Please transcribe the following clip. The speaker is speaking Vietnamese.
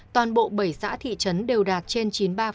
toàn bộ bảy xã thị trấn đều đạt trên chín mươi ba